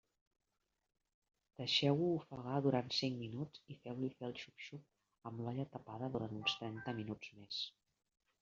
Deixeu-ho ofegar durant cinc minuts i feu-li fer el xup-xup amb l'olla tapada durant uns trenta minuts més.